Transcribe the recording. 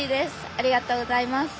ありがとうございます。